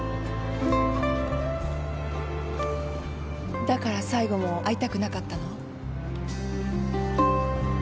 だから最後も会いたくなかったの？